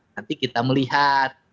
nanti kita melihat